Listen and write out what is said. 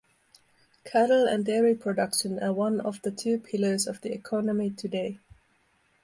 Cattle and dairy production are one of the two pillars of the economy today.